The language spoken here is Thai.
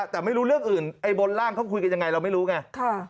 แต่ไม่รู้เรื่องอื่นไอ้บนร่างเขาคุยกันยังไงเราไม่รู้ไง